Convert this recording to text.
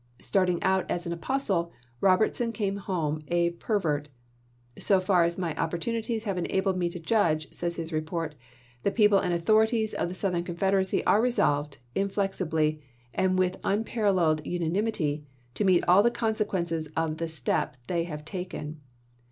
Starting out as an apostle, Robertson came home a pervert. " So far as my opportunities have enabled me to judge," says his report, "the people and authorities of the Southern Confederacy are resolved, inflexi bly and with unparalleled unanimity, to meet all the consequences of the step they have taken.